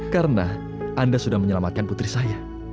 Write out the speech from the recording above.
karena anda sudah menyelamatkan putri saya